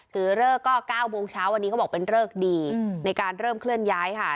คือเริ่อก็เก้าโมงเช้าวันนี้ก็บอกเป็นเริ่กดีในการเริ่มเคลื่อนย้ายค่ะ